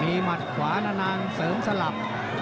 มีหมัดขวานะนางเสริมสลับ